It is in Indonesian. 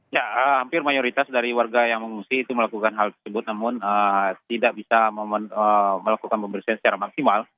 ya hampir mayoritas dari warga yang mengungsi itu melakukan hal tersebut namun tidak bisa melakukan pembersihan secara maksimal